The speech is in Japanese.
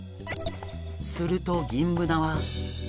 するとギンブナは。